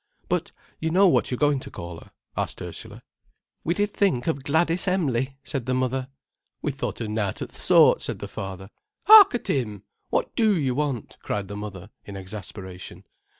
"But you know what you're going to call her?" asked Ursula. "We did think of Gladys Em'ly," said the mother. "We thought of nowt o' th' sort," said the father. "Hark at him! What do you want?' cried the mother in exasperation.